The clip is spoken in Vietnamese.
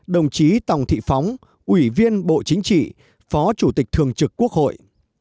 đồng chí tòng thị phóng ủy viên bộ chính trị phó chủ tịch thường trực quốc hội